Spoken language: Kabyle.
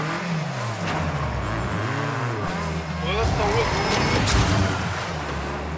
Tebɣiḍ ad tawiḍ lgunji?